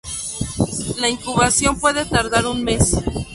La incubación puede tardar un mes.